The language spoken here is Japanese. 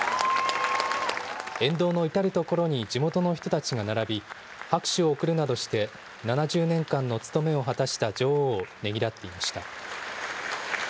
沿道の至る所に地元の人たちが並び、拍手を送るなどして、７０年間の務めを果たした女王をねぎらっていました。